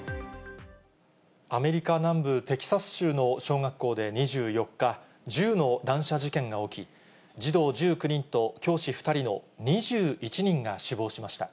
アメリカ南部テキサス州の小学校で２４日、銃の乱射事件が起き、児童１９人と教師２人の２１人が死亡しました。